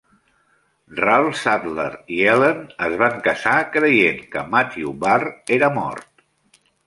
Ralph Sadler i Ellen es van casar creient que Matthew Barre era mort.